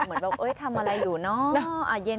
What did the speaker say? เหมือนแบบทำอะไรอยู่น้ออ่าเย็น